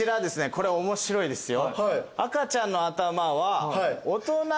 これ面白いですよ。